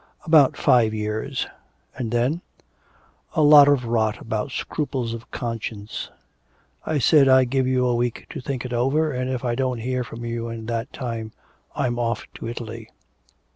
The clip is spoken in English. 'About five years.' 'And then?' 'A lot of rot about scruples of conscience. I said, I give you a week to think it over, and if I don't hear from you in that time I'm off to Italy.'